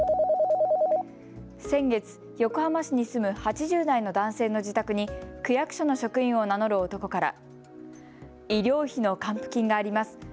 先月、横浜市に住む８０代の男性の自宅に区役所の職員を名乗る男から医療費の還付金があります。